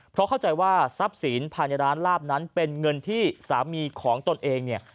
เพราะเข้าใจว่าทรัพย์สินภายในร้านลาบนั้นเป็นเงินที่สามีของตนเองเนี่ย